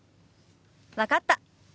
分かった。